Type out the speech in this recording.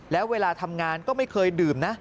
แล้วเวลาทำงานก็ไม่เคยดื่มนะ